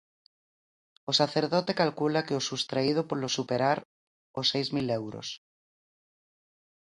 O sacerdote calcula que o subtraído polo superar os seis mil euros.